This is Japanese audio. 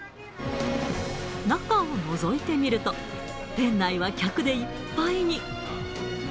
中をのぞいてみると、店内は客でいっぱいに。